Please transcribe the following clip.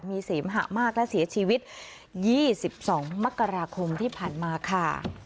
มีเสียมหามากและเสียชีวิตยี่สิบสองมกราคมที่ผ่านมาค่ะ